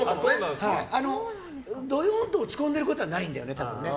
どよんと落ち込んでいることはないんだよね。